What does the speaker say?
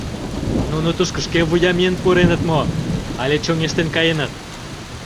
— Нуно тушко шке вуя миен пуреныт мо, але чоҥештен каеныт?